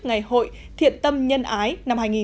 ngày hội thiện tâm nhân ái năm hai nghìn một mươi chín